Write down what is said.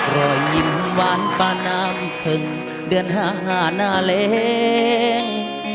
รอยยิ้มหวานปาน้ำเพิ่งเดือนหาหานาเลง